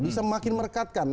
bisa makin merekatkan